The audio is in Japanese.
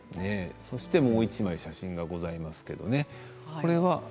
そして、もう１枚写真がございますけれども。